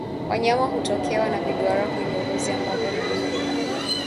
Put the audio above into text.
Wanyama hutokewa na viduara kwenye ngozi ambavyo havina nywele